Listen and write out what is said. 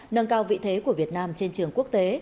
nâng cao vị thế của việt nam trên trường quốc tế